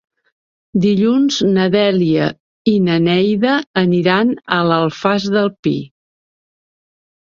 Dilluns na Dèlia i na Neida aniran a l'Alfàs del Pi.